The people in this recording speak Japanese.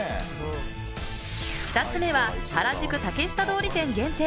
２つ目は原宿竹下通り店限定！